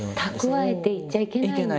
蓄えていちゃいけない。